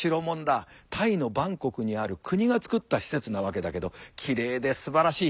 タイのバンコクにある国がつくった施設なわけだけどきれいですばらしい。